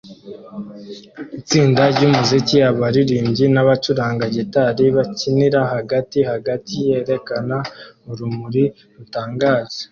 Itsinda ryumuziki 'abaririmbyi n'abacuranga gitari bakinira hagati hagati yerekana urumuri rutangaje